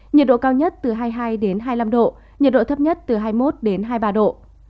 nhiệt độ cao nhất từ hai mươi hai đến hai mươi năm độ thấp nhất từ hai mươi một đến hai mươi ba độ